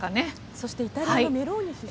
そしてイタリアのメローニ首相。